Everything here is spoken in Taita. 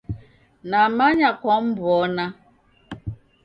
Namanya kwamw'ona.